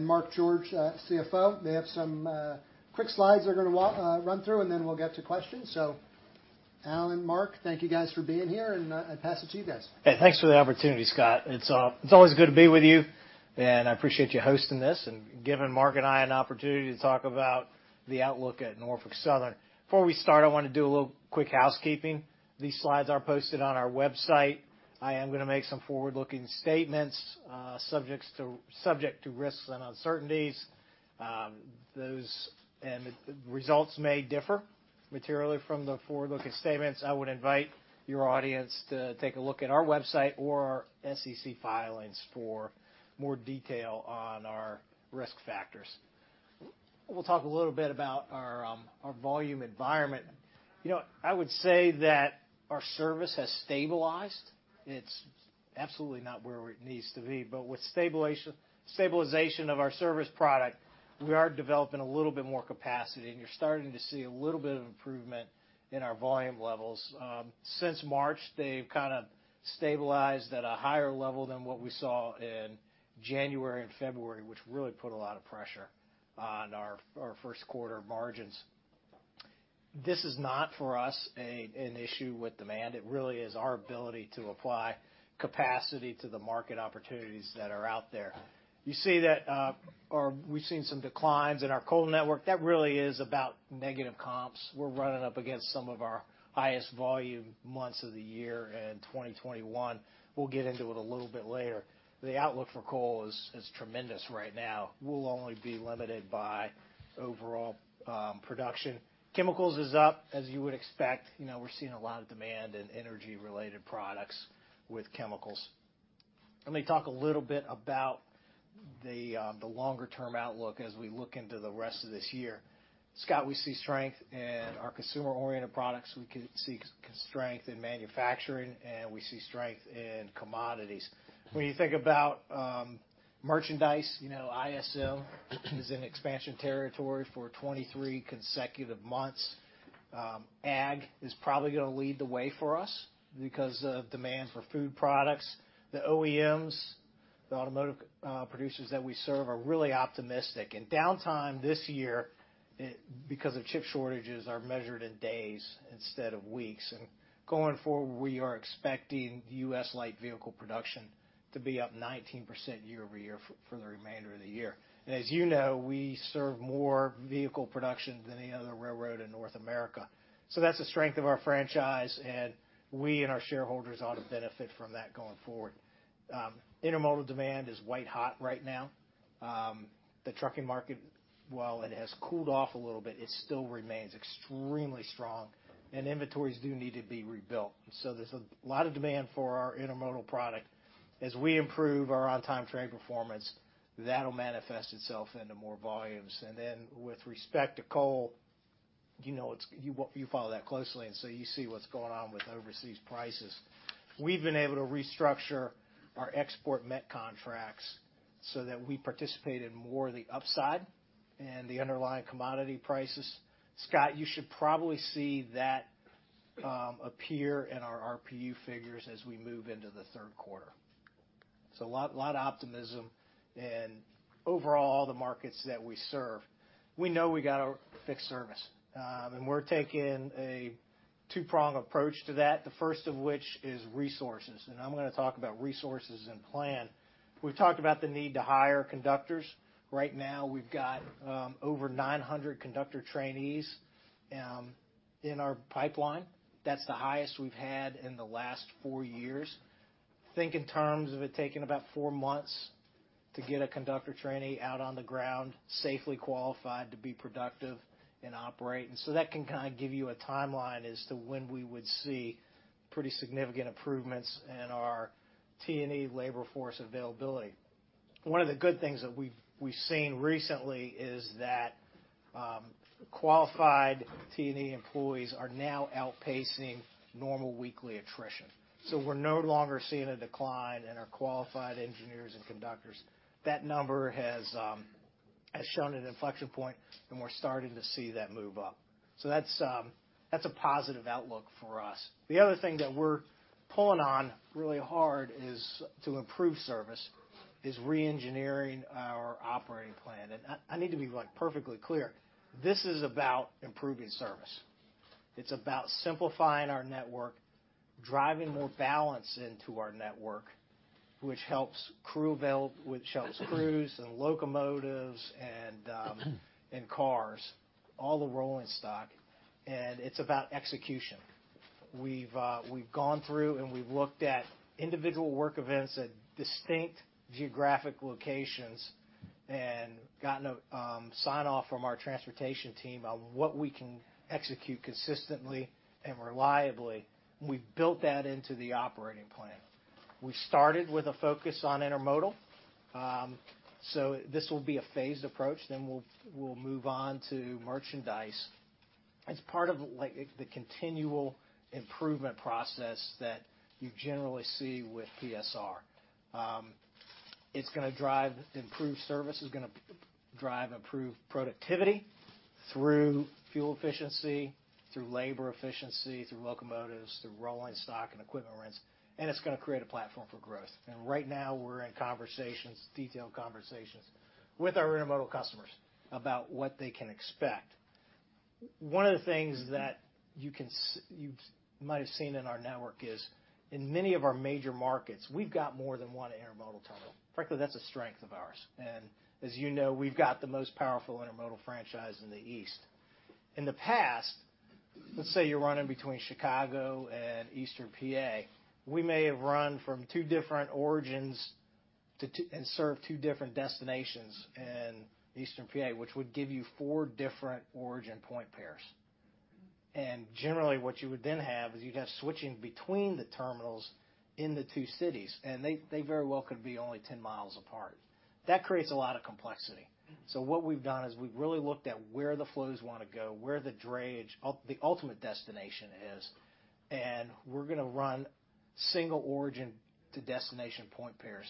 Mark George, CFO. They have some quick slides they're going to run through, and then we'll get to questions. Alan, Mark, thank you guys for being here, and I pass it to you guys. Hey, thanks for the opportunity, Scott. It's always good to be with you, and I appreciate you hosting this and giving Mark and I an opportunity to talk about the outlook at Norfolk Southern. Before we start, I want to do a little quick housekeeping. These slides are posted on our website. I am going to make some forward-looking statements subject to risks and uncertainties. The results may differ materially from the forward-looking statements. I would invite your audience to take a look at our website or our SEC filings for more detail on our risk factors. We'll talk a little bit about our volume environment. I would say that our service has stabilized. It's absolutely not where it needs to be. With stabilization of our service product, we are developing a little bit more capacity, and you're starting to see a little bit of improvement in our volume levels. Since March, they've kind of stabilized at a higher level than what we saw in January and February, which really put a lot of pressure on our first-quarter margins. This is not, for us, an issue with demand. It really is our ability to apply capacity to the market opportunities that are out there. You see that we've seen some declines in our coal network. That really is about negative comps. We're running up against some of our highest volume months of the year in 2021. We'll get into it a little bit later. The outlook for coal is tremendous right now. We'll only be limited by overall production. Chemicals is up, as you would expect. We're seeing a lot of demand in energy-related products with chemicals. Let me talk a little bit about the longer-term outlook as we look into the rest of this year. Scott, we see strength in our consumer-oriented products. We could see strength in manufacturing, and we see strength in commodities. When you think about merchandise, ISM is in expansion territory for 23 consecutive months. Ag is probably going to lead the way for us because of demand for food products. The OEMs, the automotive producers that we serve, are really optimistic. Downtime this year, because of chip shortages, is measured in days instead of weeks. Going forward, we are expecting U.S. light vehicle production to be up 19% year-over-year for the remainder of the year. As you know, we serve more vehicle production than any other railroad in North America. That's the strength of our franchise, and we and our shareholders ought to benefit from that going forward. Intermodal demand is white-hot right now. The trucking market, while it has cooled off a little bit, still remains extremely strong, and inventories do need to be rebuilt. There's a lot of demand for our intermodal product. As we improve our on-time trade performance, that'll manifest itself into more volumes. With respect to coal, you follow that closely, and so you see what's going on with overseas prices. We've been able to restructure our export met contracts so that we participate in more of the upside and the underlying commodity prices. Scott, you should probably see that appear in our RPU figures as we move into the third quarter. A lot of optimism in overall all the markets that we serve. We know we got to fix service, and we're taking a two-pronged approach to that, the first of which is resources. I'm going to talk about resources and plan. We've talked about the need to hire conductors. Right now, we've got over 900 conductor trainees in our pipeline. That's the highest we've had in the last four years. Think in terms of it taking about four months to get a conductor trainee out on the ground, safely qualified to be productive and operate. That can kind of give you a timeline as to when we would see pretty significant improvements in our T&E labor force availability. One of the good things that we've seen recently is that qualified T&E employees are now outpacing normal weekly attrition. We're no longer seeing a decline in our qualified engineers and conductors. That number has shown an inflection point, and we're starting to see that move up. That's a positive outlook for us. The other thing that we're pulling on really hard to improve service is re-engineering our operating plan. I need to be perfectly clear. This is about improving service. It's about simplifying our network, driving more balance into our network, which helps crews and locomotives and cars, all the rolling stock. It's about execution. We've gone through and we've looked at individual work events at distinct geographic locations and gotten a sign-off from our transportation team on what we can execute consistently and reliably. We've built that into the operating plan. We started with a focus on Intermodal. This will be a phased approach. We'll move on to merchandise. It's part of the continual improvement process that you generally see with PSR. It's going to drive improved service. It's going to drive improved productivity through fuel efficiency, through labor efficiency, through locomotives, through rolling stock and equipment rents. It's going to create a platform for growth. Right now, we're in detailed conversations with our intermodal customers about what they can expect. One of the things that you might have seen in our network is, in many of our major markets, we've got more than one intermodal tunnel. Frankly, that's a strength of ours. As you know, we've got the most powerful intermodal franchise in the East. In the past, let's say you're running between Chicago and Eastern Pa., we may have run from two different origins and served two different destinations in Eastern Pa., which would give you four different origin point pairs. Generally, what you would then have is you'd have switching between the terminals in the two cities, and they very well could be only 10 miles apart. That creates a lot of complexity. What we've done is we've really looked at where the flows want to go, where the ultimate destination is, and we're going to run single origin to destination point pairs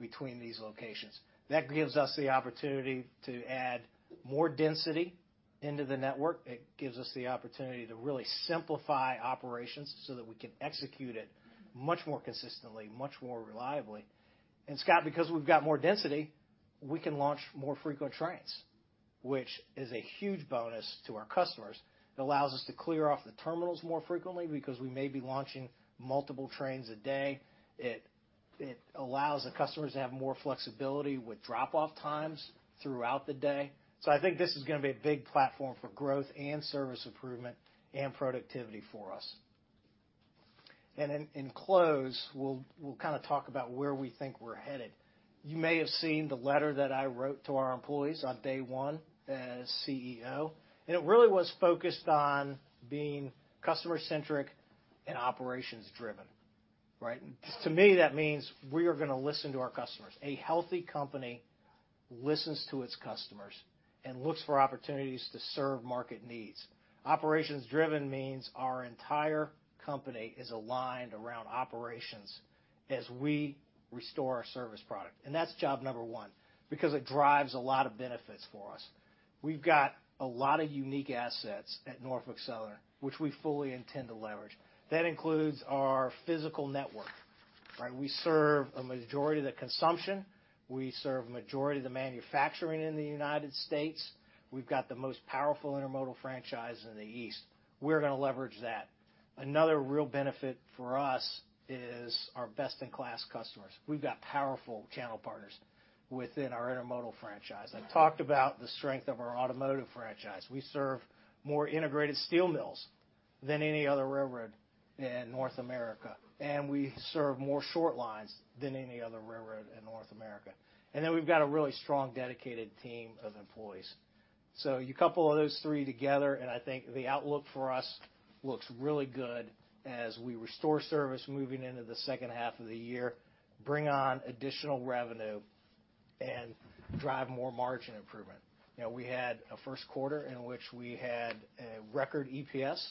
between these locations. That gives us the opportunity to add more density into the network. It gives us the opportunity to really simplify operations so that we can execute it much more consistently, much more reliably. Scott, because we've got more density, we can launch more frequent trains, which is a huge bonus to our customers. It allows us to clear off the terminals more frequently because we may be launching multiple trains a day. It allows the customers to have more flexibility with drop-off times throughout the day. I think this is going to be a big platform for growth and service improvement and productivity for us. In close, we'll kind of talk about where we think we're headed. You may have seen the letter that I wrote to our employees on day one as CEO, and it really was focused on being customer-centric and operations-driven. Right? To me, that means we are going to listen to our customers. A healthy company listens to its customers and looks for opportunities to serve market needs. Operations-driven means our entire company is aligned around operations as we restore our service product. That's job number one because it drives a lot of benefits for us. We've got a lot of unique assets at Norfolk Southern, which we fully intend to leverage. That includes our physical network. Right? We serve a majority of the consumption. We serve a majority of the manufacturing in the United States. We've got the most powerful intermodal franchise in the East. We're going to leverage that. Another real benefit for us is our best-in-class customers. We've got powerful channel partners within our intermodal franchise. I've talked about the strength of our automotive franchise. We serve more integrated steel mills than any other railroad in North America, and we serve more short lines than any other railroad in North America. We have a really strong, dedicated team of employees. You couple those three together, and I think the outlook for us looks really good as we restore service moving into the second half of the year, bring on additional revenue, and drive more margin improvement. We had a first quarter in which we had a record EPS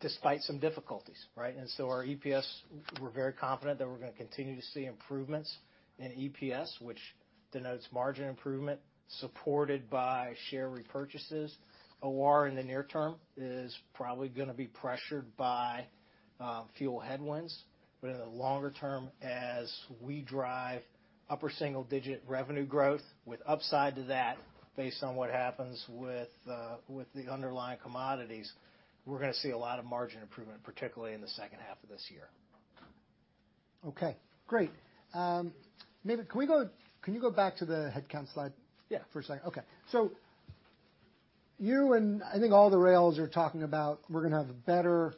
despite some difficulties. Right? Our EPS, we're very confident that we're going to continue to see improvements in EPS, which denotes margin improvement supported by share repurchases. OR in the near term is probably going to be pressured by fuel headwinds. In the longer term, as we drive upper single-digit revenue growth with upside to that based on what happens with the underlying commodities, we're going to see a lot of margin improvement, particularly in the second half of this year. Okay. Great. Maybe, can you go back to the headcount slide for a second? Yeah. Okay. You and I think all the rails are talking about we're going to have better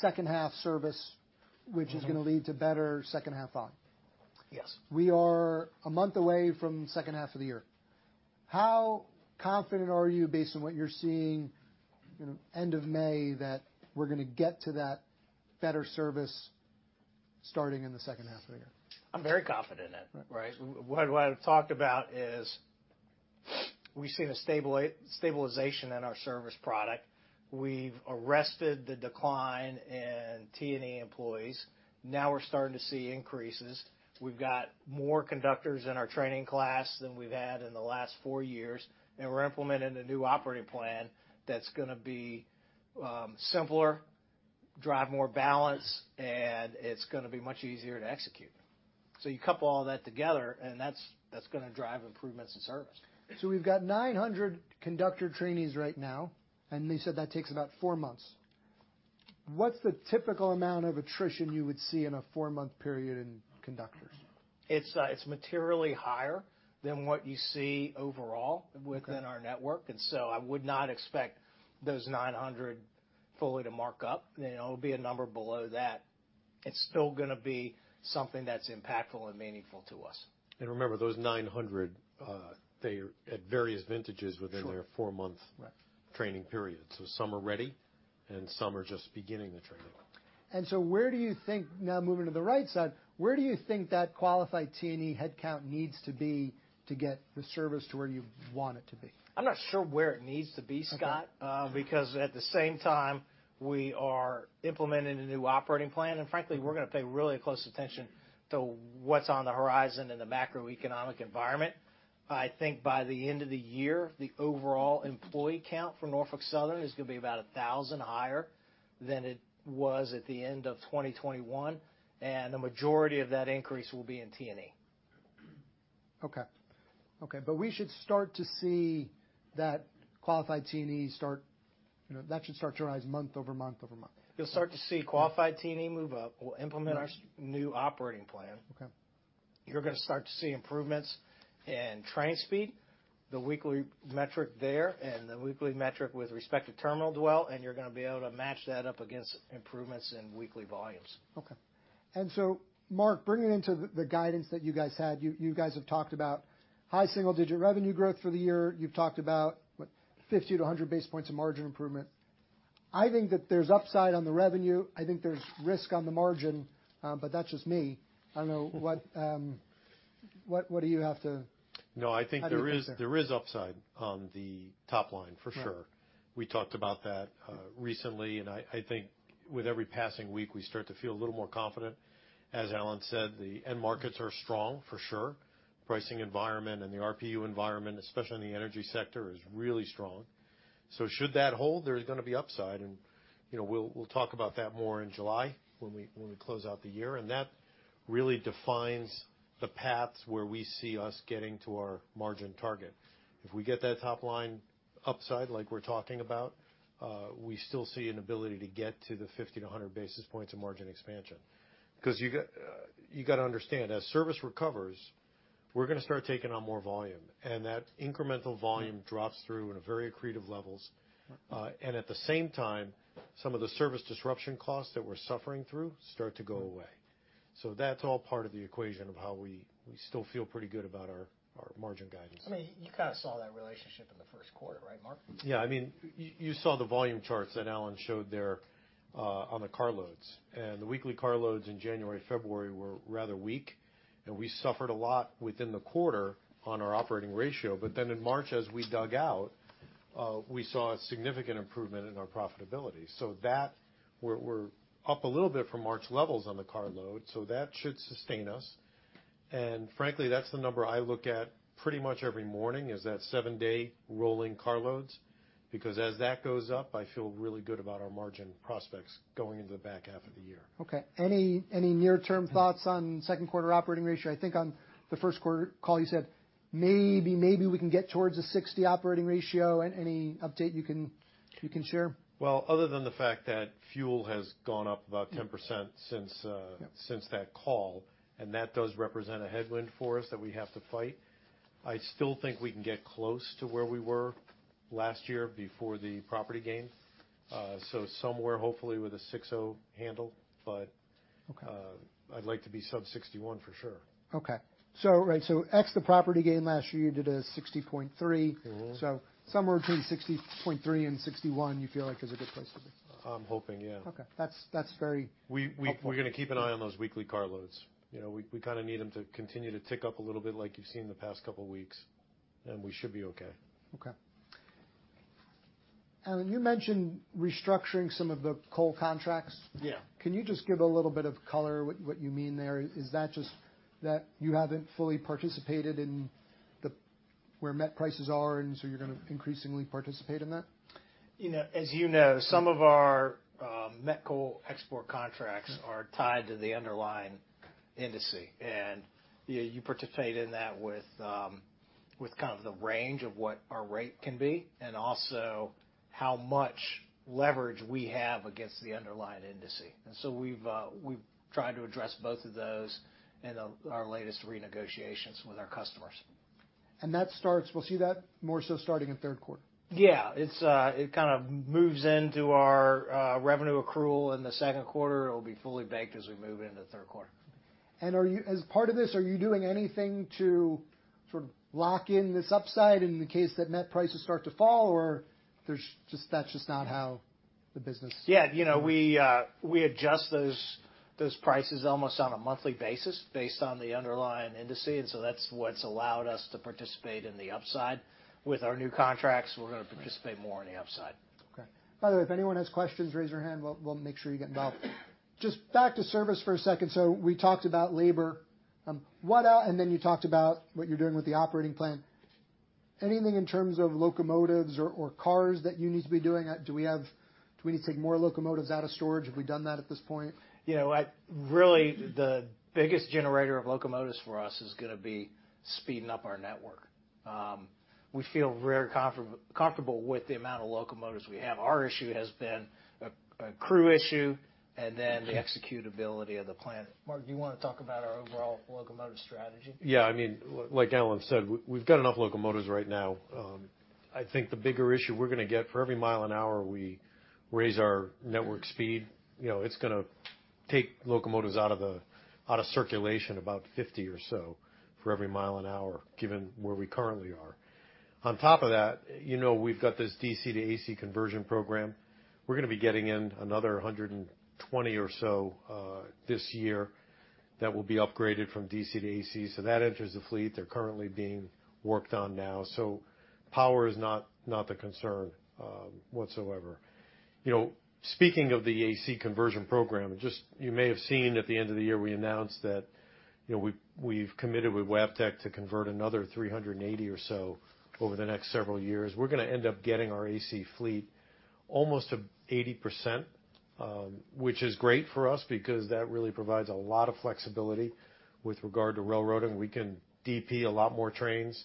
second-half service, which is going to lead to better second-half volume. Yes. We are a month away from second half of the year. How confident are you based on what you're seeing end of May that we're going to get to that better service starting in the second half of the year? I'm very confident in it. Right? What I've talked about is we've seen a stabilization in our service product. We've arrested the decline in T&E employees. Now we're starting to see increases. We've got more conductors in our training class than we've had in the last four years, and we're implementing a new operating plan that's going to be simpler, drive more balance, and it's going to be much easier to execute. You couple all that together, and that's going to drive improvements in service. We've got 900 conductor trainees right now, and they said that takes about four months. What's the typical amount of attrition you would see in a four-month period in conductors? It's materially higher than what you see overall within our network. I would not expect those 900 fully to mark up. It'll be a number below that. It's still going to be something that's impactful and meaningful to us. Remember, those 900, they are at various vintages within their four-month training period. Some are ready, and some are just beginning the training. Where do you think, now moving to the right side, where do you think that qualified T&E headcount needs to be to get the service to where you want it to be? I'm not sure where it needs to be, Scott, because at the same time, we are implementing a new operating plan. Frankly, we're going to pay really close attention to what's on the horizon in the macroeconomic environment. I think by the end of the year, the overall employee count for Norfolk Southern is going to be about 1,000 higher than it was at the end of 2021. The majority of that increase will be in T&E. Okay. Okay. We should start to see that qualified T&E start, that should start to rise month over month over month. You'll start to see qualified T&E move up. We'll implement our new operating plan. You're going to start to see improvements in train speed, the weekly metric there, and the weekly metric with respect to terminal dwell, and you're going to be able to match that up against improvements in weekly volumes. Okay. Mark, bringing into the guidance that you guys had, you guys have talked about high single-digit revenue growth for the year. You have talked about 50 to 100 basis points of margin improvement. I think that there is upside on the revenue. I think there is risk on the margin, but that is just me. I do not know what you have to. No, I think there is upside on the top line, for sure. We talked about that recently, and I think with every passing week, we start to feel a little more confident. As Alan said, the end markets are strong, for sure. Pricing environment and the RPU environment, especially in the energy sector, is really strong. Should that hold, there's going to be upside. We will talk about that more in July when we close out the year. That really defines the path where we see us getting to our margin target. If we get that top line upside like we're talking about, we still see an ability to get to the 50-100 basis points of margin expansion. You got to understand, as service recovers, we're going to start taking on more volume. That incremental volume drops through in very accretive levels. At the same time, some of the service disruption costs that we're suffering through start to go away. That's all part of the equation of how we still feel pretty good about our margin guidance. I mean, you kind of saw that relationship in the first quarter. Right, Mark? Yeah. I mean, you saw the volume charts that Alan showed there on the carloads. The weekly carloads in January, February were rather weak. We suffered a lot within the quarter on our operating ratio. In March, as we dug out, we saw a significant improvement in our profitability. We are up a little bit from March levels on the carload. That should sustain us. Frankly, that's the number I look at pretty much every morning is that seven-day rolling carloads. Because as that goes up, I feel really good about our margin prospects going into the back half of the year. Okay. Any near-term thoughts on second quarter operating ratio? I think on the first quarter call, you said maybe, maybe we can get towards a 60 operating ratio. Any update you can share? Other than the fact that fuel has gone up about 10% since that call, and that does represent a headwind for us that we have to fight, I still think we can get close to where we were last year before the property gain. Somewhere, hopefully, with a 60 handle. I'd like to be sub-61 for sure. Okay. Right. So X the property gain last year, you did a 60.3. So somewhere between 60.3 and 61, you feel like is a good place to be? I'm hoping, yeah. Okay. That's very hopeful. We're going to keep an eye on those weekly carloads. We kind of need them to continue to tick up a little bit like you've seen the past couple of weeks. We should be okay. Okay. You mentioned restructuring some of the coal contracts. Yeah. Can you just give a little bit of color what you mean there? Is that just that you haven't fully participated in where met prices are, and so you're going to increasingly participate in that? As you know, some of our met coal export contracts are tied to the underlying industry. You participate in that with kind of the range of what our rate can be and also how much leverage we have against the underlying industry. We have tried to address both of those in our latest renegotiations with our customers. That starts, we'll see that more so starting in third quarter. Yeah. It kind of moves into our revenue accrual in the second quarter. It'll be fully baked as we move into third quarter. As part of this, are you doing anything to sort of lock in this upside in the case that met prices start to fall, or that's just not how the business? Yeah. We adjust those prices almost on a monthly basis based on the underlying industry. That is what has allowed us to participate in the upside. With our new contracts, we are going to participate more in the upside. Okay. By the way, if anyone has questions, raise your hand. We'll make sure you get involved. Just back to service for a second. We talked about labor. You talked about what you're doing with the operating plan. Anything in terms of locomotives or cars that you need to be doing? Do we need to take more locomotives out of storage? Have we done that at this point? Really, the biggest generator of locomotives for us is going to be speeding up our network. We feel very comfortable with the amount of locomotives we have. Our issue has been a crew issue and then the executability of the plan. Mark, do you want to talk about our overall locomotive strategy? Yeah. I mean, like Alan said, we've got enough locomotives right now. I think the bigger issue we're going to get for every mile an hour we raise our network speed, it's going to take locomotives out of circulation, about 50 or so for every mile an hour, given where we currently are. On top of that, we've got this DC to AC conversion program. We're going to be getting in another 120 or so this year that will be upgraded from DC to AC. That enters the fleet. They're currently being worked on now. Power is not the concern whatsoever. Speaking of the AC conversion program, just you may have seen at the end of the year we announced that we've committed with Wabtec to convert another 380 or so over the next several years. We're going to end up getting our AC fleet almost to 80%, which is great for us because that really provides a lot of flexibility with regard to railroading. We can DP a lot more trains.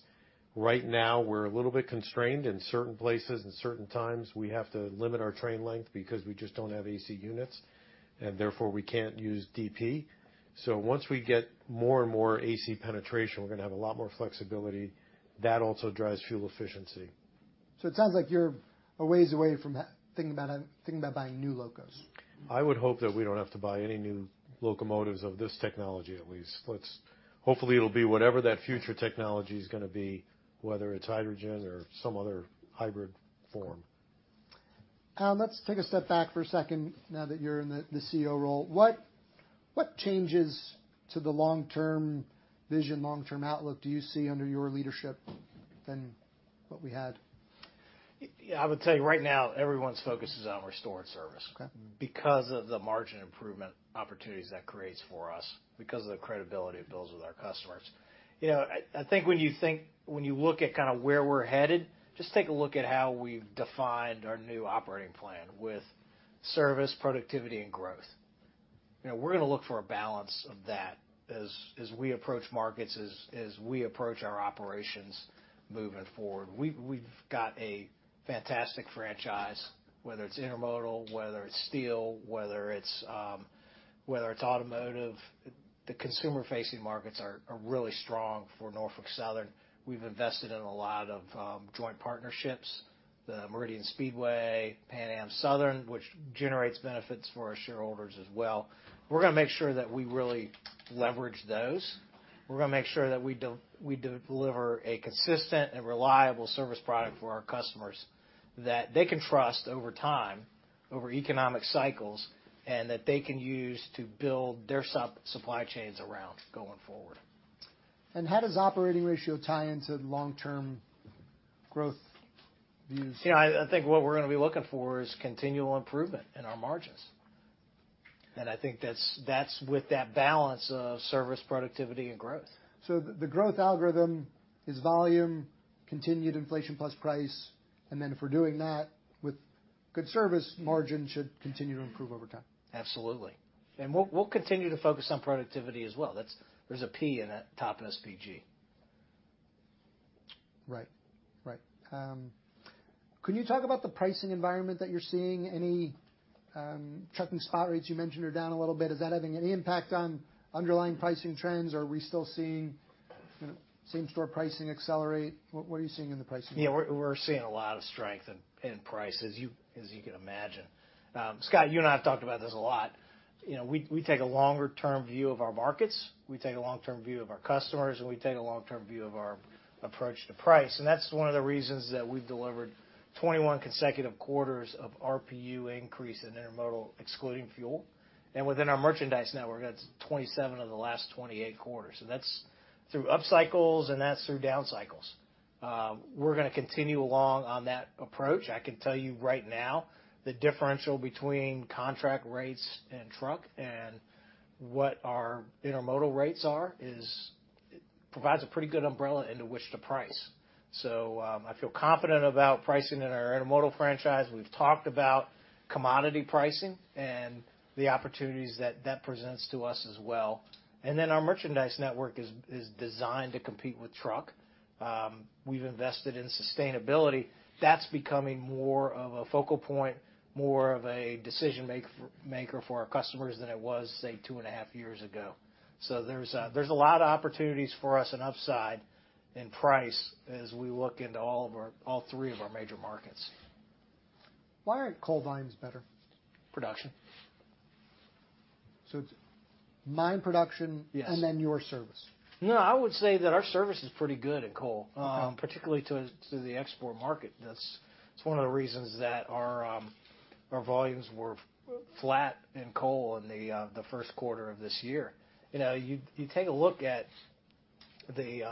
Right now, we're a little bit constrained in certain places and certain times. We have to limit our train length because we just don't have AC units, and therefore we can't use DP. Once we get more and more AC penetration, we're going to have a lot more flexibility. That also drives fuel efficiency. It sounds like you're a ways away from thinking about buying new locos. I would hope that we don't have to buy any new locomotives of this technology at least. Hopefully, it'll be whatever that future technology is going to be, whether it's hydrogen or some other hybrid form. Let's take a step back for a second now that you're in the CEO role. What changes to the long-term vision, long-term outlook do you see under your leadership than what we had? I would say right now, everyone's focus is on restored service because of the margin improvement opportunities that creates for us, because of the credibility it builds with our customers. I think when you look at kind of where we're headed, just take a look at how we've defined our new operating plan with service, productivity, and growth. We're going to look for a balance of that as we approach markets, as we approach our operations moving forward. We've got a fantastic franchise, whether it's intermodal, whether it's steel, whether it's automotive. The consumer-facing markets are really strong for Norfolk Southern. We've invested in a lot of joint partnerships, the Meridian Speedway, Pan Am Southern, which generates benefits for our shareholders as well. We're going to make sure that we really leverage those. We're going to make sure that we deliver a consistent and reliable service product for our customers that they can trust over time, over economic cycles, and that they can use to build their supply chains around going forward. How does operating ratio tie into long-term growth views? I think what we're going to be looking for is continual improvement in our margins. I think that's with that balance of service, productivity, and growth. The growth algorithm is volume, continued inflation plus price. And then if we're doing that with good service, margin should continue to improve over time. Absolutely. We will continue to focus on productivity as well. There is a P in that TOP SPG. Right. Right. Can you talk about the pricing environment that you're seeing? Any trucking spot rates you mentioned are down a little bit. Is that having any impact on underlying pricing trends, or are we still seeing same-store pricing accelerate? What are you seeing in the pricing? Yeah. We're seeing a lot of strength in prices, as you can imagine. Scott, you and I have talked about this a lot. We take a longer-term view of our markets. We take a long-term view of our customers, and we take a long-term view of our approach to price. That's one of the reasons that we've delivered 21 consecutive quarters of RPU increase in intermodal excluding fuel. Within our merchandise network, that's 27 of the last 28 quarters. That is through upcycles, and that is through downcycles. We're going to continue along on that approach. I can tell you right now, the differential between contract rates and truck and what our intermodal rates are provides a pretty good umbrella into which to price. I feel confident about pricing in our intermodal franchise. We've talked about commodity pricing and the opportunities that that presents to us as well. Our merchandise network is designed to compete with truck. We've invested in sustainability. That's becoming more of a focal point, more of a decision maker for our customers than it was, say, two and a half years ago. There are a lot of opportunities for us and upside in price as we look into all three of our major markets. Why aren't coal volumes better? Production. It's mine production and then your service? No, I would say that our service is pretty good in coal, particularly to the export market. That's one of the reasons that our volumes were flat in coal in the first quarter of this year. You take a look at the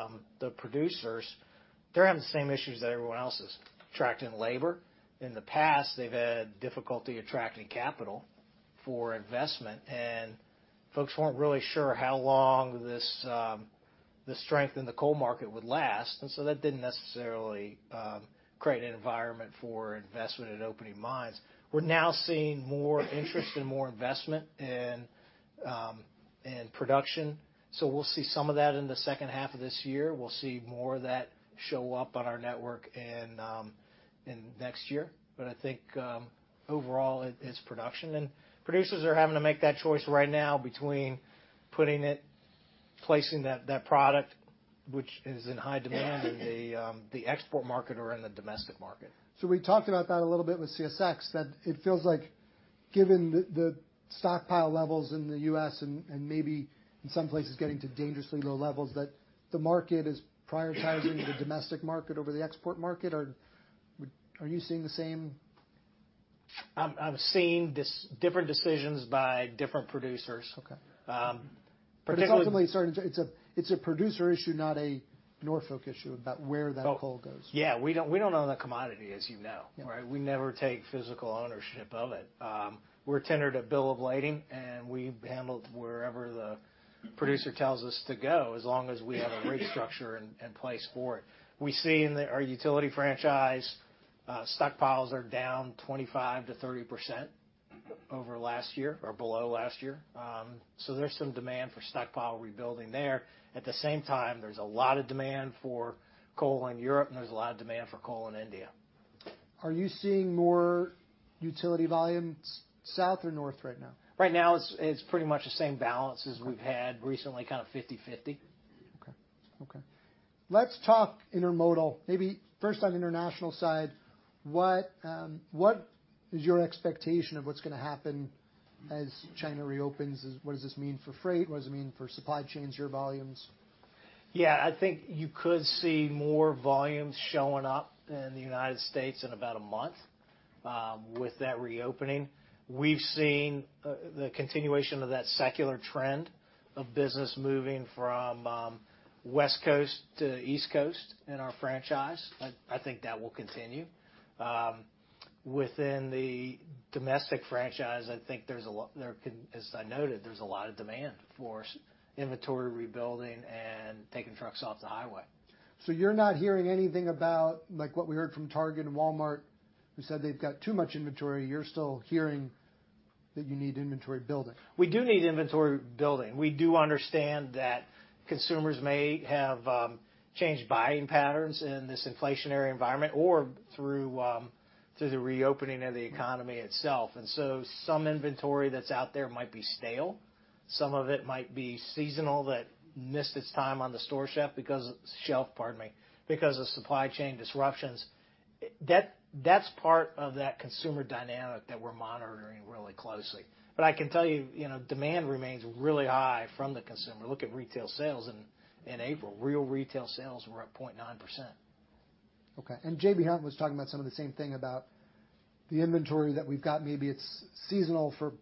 producers, they're having the same issues that everyone else is tracking labor. In the past, they've had difficulty attracting capital for investment, and folks weren't really sure how long the strength in the coal market would last. That didn't necessarily create an environment for investment and opening mines. We're now seeing more interest and more investment in production. We'll see some of that in the second half of this year. We'll see more of that show up on our network in next year. I think overall, it's production. Producers are having to make that choice right now between placing that product, which is in high demand, in the export market or in the domestic market. We talked about that a little bit with CSX, that it feels like given the stockpile levels in the U.S. and maybe in some places getting to dangerously low levels, that the market is prioritizing the domestic market over the export market. Are you seeing the same? I'm seeing different decisions by different producers. Because ultimately, it's a producer issue, not a Norfolk Southern issue about where that coal goes. Yeah. We don't own the commodity, as you know. We never take physical ownership of it. We're tender to bill of lading, and we handle wherever the producer tells us to go as long as we have a rate structure in place for it. We see in our utility franchise, stockpiles are down 25%-30% over last year or below last year. So there's some demand for stockpile rebuilding there. At the same time, there's a lot of demand for coal in Europe, and there's a lot of demand for coal in India. Are you seeing more utility volumes south or north right now? Right now, it's pretty much the same balance as we've had recently, kind of 50/50. Okay. Okay. Let's talk Intermodal. Maybe first on the international side, what is your expectation of what's going to happen as China reopens? What does this mean for freight? What does it mean for supply chains, your volumes? Yeah. I think you could see more volumes showing up in the United States in about a month with that reopening. We've seen the continuation of that secular trend of business moving from West Coast to East Coast in our franchise. I think that will continue. Within the domestic franchise, I think there's, as I noted, there's a lot of demand for inventory rebuilding and taking trucks off the highway. You're not hearing anything about what we heard from Target and Walmart who said they've got too much inventory. You're still hearing that you need inventory building. We do need inventory building. We do understand that consumers may have changed buying patterns in this inflationary environment or through the reopening of the economy itself. Some inventory that's out there might be stale. Some of it might be seasonal that missed its time on the store shelf, pardon me, because of supply chain disruptions. That's part of that consumer dynamic that we're monitoring really closely. I can tell you demand remains really high from the consumer. Look at retail sales in April. Real retail sales were at 0.9%. Okay. J.B. Hunt was talking about some of the same thing about the inventory that we've got. Maybe it's seasonal for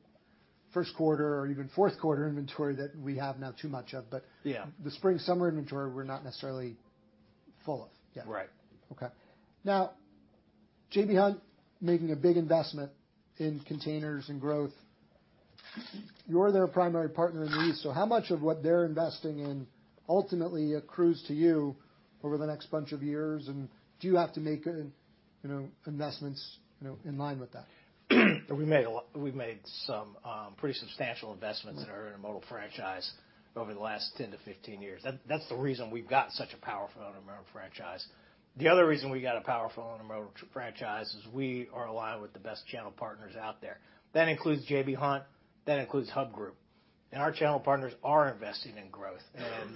first quarter or even fourth quarter inventory that we have now too much of. The spring-summer inventory, we're not necessarily full of. Right. Okay. Now, J.B. Hunt making a big investment in containers and growth. You're their primary partner in the east. How much of what they're investing in ultimately accrues to you over the next bunch of years? Do you have to make investments in line with that? We've made some pretty substantial investments in our intermodal franchise over the last 10 to 15 years. That's the reason we've got such a powerful intermodal franchise. The other reason we got a powerful intermodal franchise is we are aligned with the best channel partners out there. That includes J.B. Hunt. That includes Hub Group. Our channel partners are investing in growth.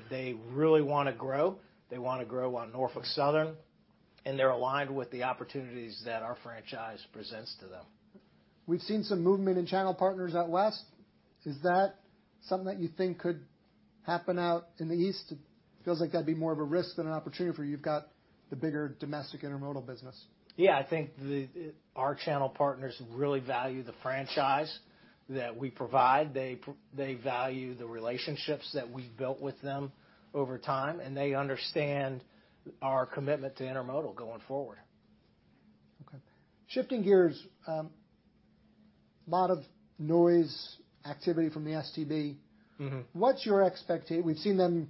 They really want to grow. They want to grow on Norfolk Southern. They're aligned with the opportunities that our franchise presents to them. We've seen some movement in channel partners out west. Is that something that you think could happen out in the east? It feels like that'd be more of a risk than an opportunity for you. You've got the bigger domestic intermodal business. Yeah. I think our channel partners really value the franchise that we provide. They value the relationships that we've built with them over time. They understand our commitment to Intermodal going forward. Okay. Shifting gears, a lot of noise activity from the STB. What's your expectation? We've seen them.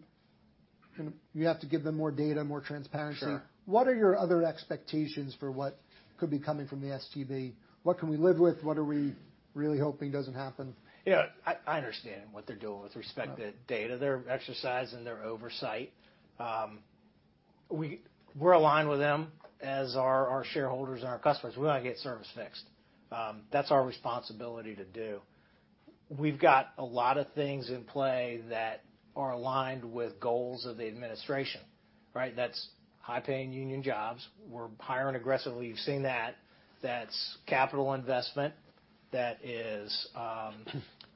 You have to give them more data, more transparency. What are your other expectations for what could be coming from the STB? What can we live with? What are we really hoping doesn't happen? Yeah. I understand what they're doing with respect to data. They're exercising their oversight. We're aligned with them as are our shareholders and our customers. We want to get service fixed. That's our responsibility to do. We've got a lot of things in play that are aligned with goals of the administration. That's high-paying union jobs. We're hiring aggressively. You've seen that. That's capital investment. That is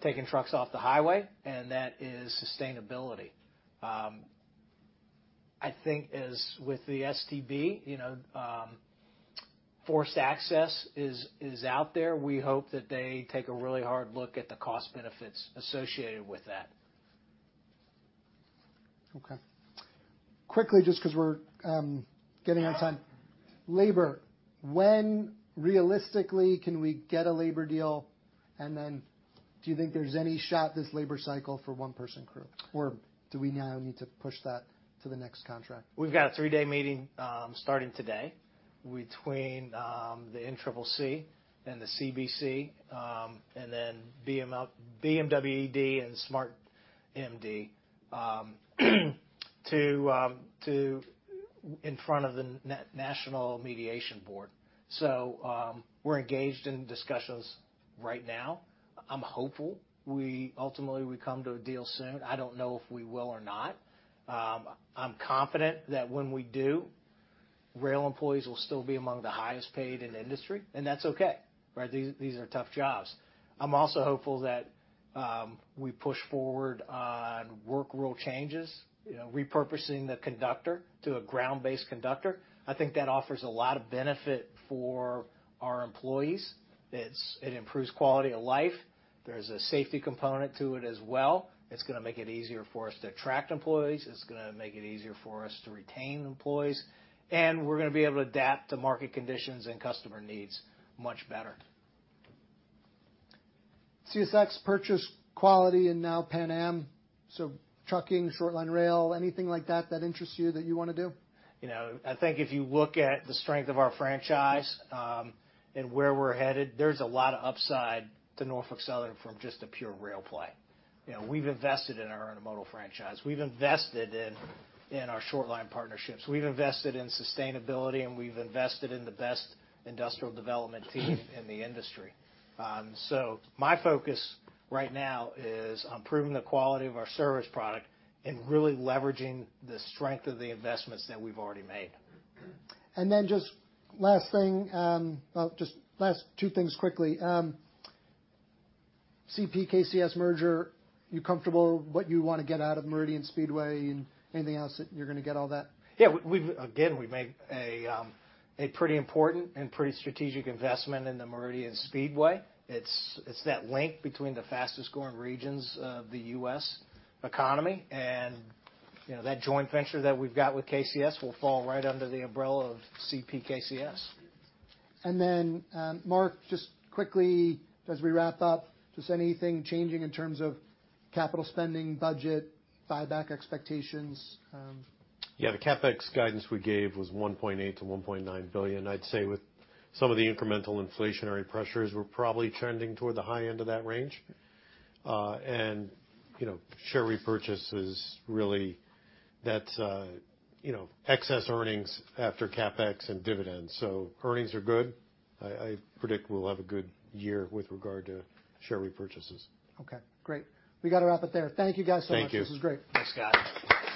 taking trucks off the highway. That is sustainability. I think with the STB, forced access is out there. We hope that they take a really hard look at the cost benefits associated with that. Okay. Quickly, just because we're getting out of time. Labor. When realistically can we get a labor deal? Then do you think there's any shot this labor cycle for one-person crew? Or do we now need to push that to the next contract? We've got a three-day meeting starting today between the NCCC and the CBC, and then BMWED and SMART-MD in front of the National Mediation Board. We are engaged in discussions right now. I'm hopeful ultimately we come to a deal soon. I don't know if we will or not. I'm confident that when we do, rail employees will still be among the highest paid in the industry. That's okay. These are tough jobs. I'm also hopeful that we push forward on work rule changes, repurposing the conductor to a ground-based conductor. I think that offers a lot of benefit for our employees. It improves quality of life. There's a safety component to it as well. It's going to make it easier for us to attract employees. It's going to make it easier for us to retain employees. We're going to be able to adapt to market conditions and customer needs much better. CSX purchase quality and now Pan Am. Trucking, shortline rail, anything like that that interests you that you want to do? I think if you look at the strength of our franchise and where we're headed, there's a lot of upside to Norfolk Southern from just a pure rail play. We've invested in our intermodal franchise. We've invested in our shortline partnerships. We've invested in sustainability, and we've invested in the best industrial development team in the industry. My focus right now is improving the quality of our service product and really leveraging the strength of the investments that we've already made. Just last two things quickly. CPKCS merger, you're comfortable what you want to get out of Meridian Speedway and anything else that you're going to get all that? Yeah. Again, we've made a pretty important and pretty strategic investment in the Meridian Speedway. It's that link between the fastest-growing regions of the U.S. economy. That joint venture that we've got with KCS will fall right under the umbrella of CPKCS. Mark, just quickly, as we wrap up, just anything changing in terms of capital spending, budget, buyback expectations? Yeah. The CapEx guidance we gave was $1.8 billion-$1.9 billion. I'd say with some of the incremental inflationary pressures, we're probably trending toward the high end of that range. Share repurchases, really, that's excess earnings after CapEx and dividends. Earnings are good. I predict we'll have a good year with regard to share repurchases. Okay. Great. We got to wrap it there. Thank you guys so much. This was great. Thank you. Thanks, Scott.